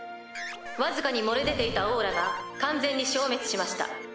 わずかに漏れ出ていた妖気が完全に消滅しました。